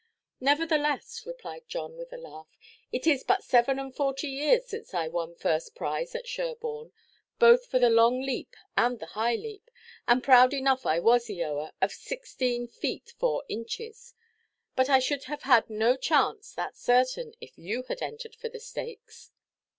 "Nevertheless," replied John, with a laugh, "it is but seven and forty years since I won first prize at Sherborne, both for the long leap and the high leap; and proud enough I was, Eoa, of sixteen feet four inches. But I should have had no chance, thatʼs certain, if you had entered for the stakes."